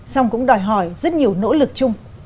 xong cũng đòi hỏi rất nhiều nỗ lực chung